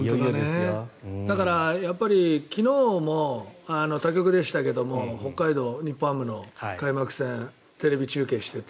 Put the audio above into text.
だから昨日も他局でしたけど北海道日本ハムの開幕戦テレビ中継してて。